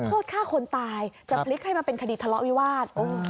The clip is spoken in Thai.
โทษฆ่าคนตายจะพลิกให้มันเป็นคดีทะเลาะวิวาส